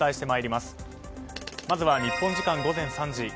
まずは日本時間午前３時。